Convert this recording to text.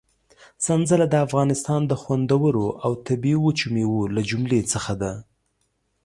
سنځله د افغانستان د خوندورو او طبي وچو مېوو له جملې څخه ده.